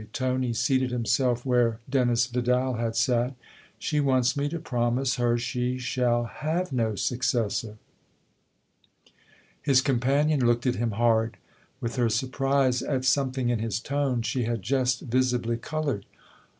" Tony seated himself where Dennis Vidal had sat. " She wants me to promise her she shall have no successor." His companion looked at him hard; with her surprise at something in his tone she had just visibly coloured.